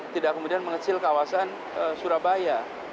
tidak kemudian mengecil kawasan surabaya